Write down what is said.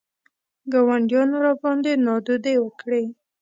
ګاونډیانو راباندې نادودې وکړې.